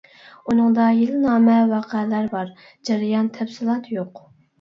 ئۇنىڭدا يىلنامە، ۋەقەلەر بار، جەريان، «تەپسىلات» يوق.